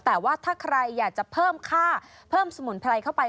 แต่ว่าถ้าใครอยากจะเพิ่มค่าเพิ่มสมุนไพรเข้าไป